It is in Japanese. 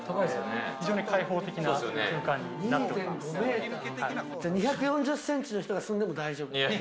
非常に開放的な空２４０センチの人が住んでも大丈夫だ。